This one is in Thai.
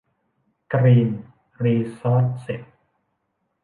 กรีน รีซอร์สเซส